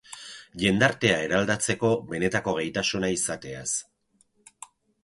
Jendartea eraldatzeko benetako gaitasuna izateaz.